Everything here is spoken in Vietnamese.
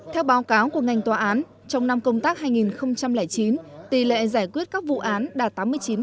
theo báo cáo của ngành tòa án trong năm công tác hai nghìn chín tỷ lệ giải quyết các vụ án đạt tám mươi chín